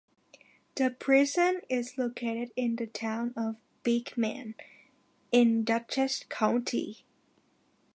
The prison is located in the Town of Beekman in Dutchess County.